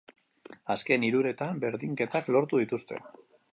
Azken hiruretan berdinketak lortu dituzte.